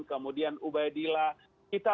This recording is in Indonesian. kemudian ubaidillah kita